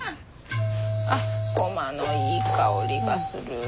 あっゴマのいい香りがする。